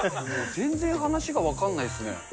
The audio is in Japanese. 全然話が分かんないっすね。